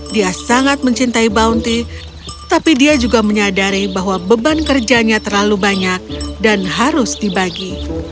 dia sangat mencintai bounty tapi dia juga menyadari bahwa beban kerjanya terlalu banyak dan harus dibagi